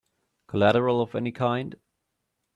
Collateral of any kind?